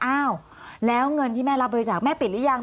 อ้าวแล้วเงินที่แม่รับบริจาคแม่ปิดหรือยัง